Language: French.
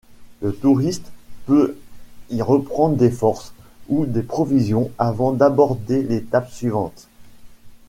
Le touriste peut y reprendre des forces, ou des provisions, avant d'aborder l'étape suivante.